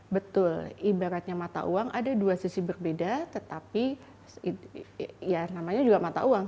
betul ibaratnya mata uang ada dua sisi berbeda tetapi ya namanya juga mata uang